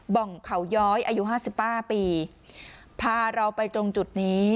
บ่องเขาย้อยอายุห้าสิบห้าปีพาเราไปตรงจุดนี้